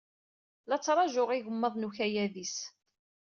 La tettṛaju igmaḍ n ukayad-is.